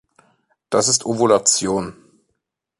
Das ist Ovulation.